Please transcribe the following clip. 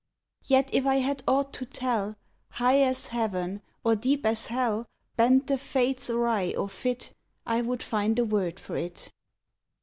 Yet if I had aught to tell, High as heaven, or deep as hell, Bent the fates awry or fit, I would find a word for it.